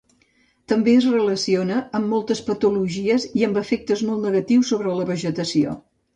També es relaciona amb moltes patologies i amb efectes molt negatius sobre la vegetació.